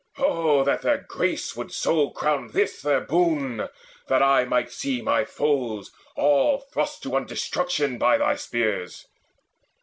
O that their grace would so Crown this their boon, that I might see my foes All thrust to one destruction by thy spears.